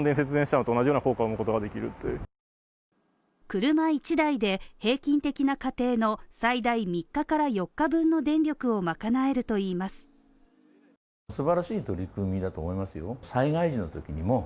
車１台で平均的な家庭の最大３日から４日分の電力を賄えるといいます。